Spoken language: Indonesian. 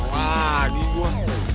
wah di gua